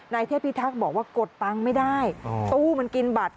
เทพิทักษ์บอกว่ากดตังค์ไม่ได้ตู้มันกินบัตร